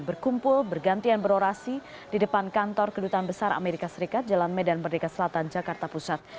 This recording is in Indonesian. berkumpul bergantian berorasi di depan kantor kedutaan besar amerika serikat jalan medan merdeka selatan jakarta pusat